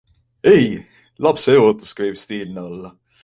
Ei, lapseootuski võib stiilne olla!